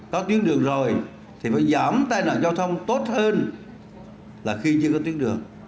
có tuyến đường rồi thì phải giảm tai nạn giao thông tốt hơn là khi chưa có tuyến đường